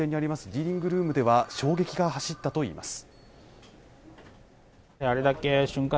ディーリングルームでは衝撃が走ったといいます